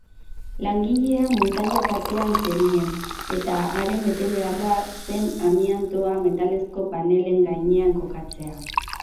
Langilea muntaia-katean zebilen, eta haren betebeharra zen amiantoa metalezko panelen gainean kokatzea.